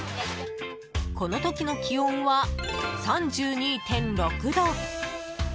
この時の気温は３２６度。